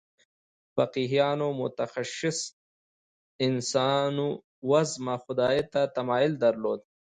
فقیهانو متشخص انسانوزمه خدای ته تمایل درلود.